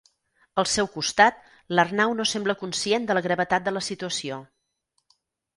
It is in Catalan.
Al seu costat, l'Arnau no sembla conscient de la gravetat de la situació.